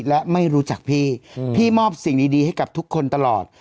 และไม่รู้จักพี่พี่มอบสิ่งดีให้กับทุกคนตลอด